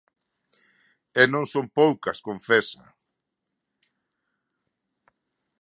E non son poucas confesa.